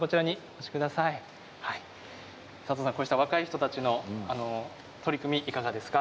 佐藤さん、若い人たちの取り組みいかがですか。